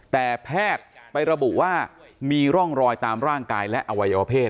แต่แพทย์ไประบุว่ามีร่องรอยตามร่างกายและอวัยวเพศ